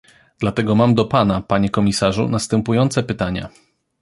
Dlatego mam do pana, panie komisarzu, następujące pytania